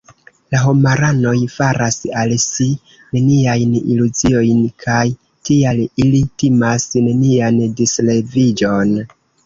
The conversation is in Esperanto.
La homaranoj faras al si neniajn iluziojn kaj tial ili timas nenian disreviĝon.